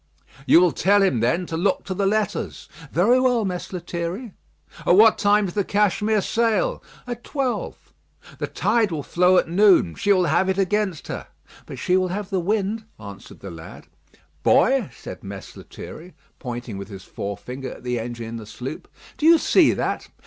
"You will tell him, then, to look to the letters." "Very well, Mess Lethierry." "At what time does the Cashmere sail?" "At twelve." "The tide will flow at noon; she will have it against her." "But she will have the wind," answered the lad. "Boy," said Mess Lethierry, pointing with his forefinger at the engine in the sloop, "do you see that?